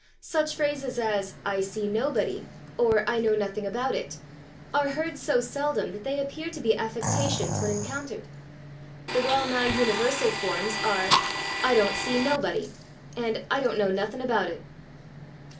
Such phrases as "I see nobody" or "I know nothing about it" are heard so seldom that they appear to be affectations when encountered; the well nigh universal forms are "I /don't/ see nobody" and "I /don't/ know nothing about it."